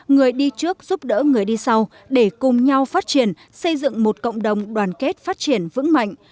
người đi trước giúp đỡ người đi sau để cùng nhau phát triển xây dựng một cộng đồng đoàn kết phát triển vững mạnh